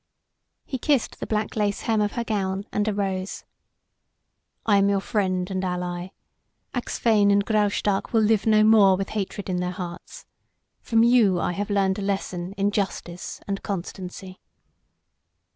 He kissed the black lace hem of her gown and arose. "I am your friend and ally; Axphain and Graustark will live no more with hatred in their hearts. From you I have learned a lesson in justice and constancy."